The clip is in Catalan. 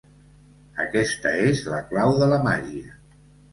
Aquesta és la clau de la màgia.